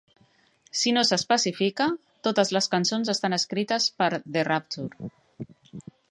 Si no s'especifica, totes les cançons estan escrites per The Rapture.